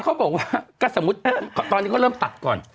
เขาบอกว่าก็สมมุติตอนนี้เขาเริ่มตัดก่อน